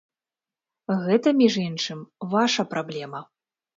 Гэта, між іншым, ваша праблема!